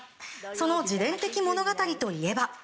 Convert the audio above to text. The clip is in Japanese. その自伝的物語といえば。